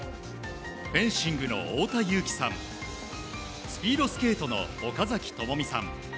フェンシングの太田雄貴さんスピードスケートの岡崎朋美さん